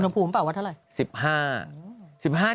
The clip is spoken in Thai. อุณหภูมิปะว่าเท่าไร